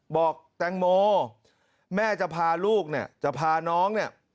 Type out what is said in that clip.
บอกแตงโมแม่จะพาลูกเนี่ยจะพาน้องเนี่ย